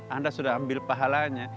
anda sudah ambil pahalanya